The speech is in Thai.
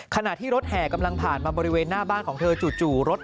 ขณะที่รถแห่กำลังผ่านมาบริเวณหน้าบ้านของเธอจู่รถ